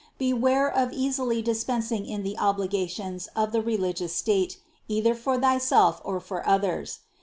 Beware of easily dispensing in the obliga tions of the religious state, either for thyself or for others.